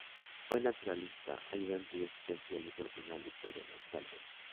Fue naturalista, ayudante y asistente en el Museo Nacional de Historia Natural de Francia.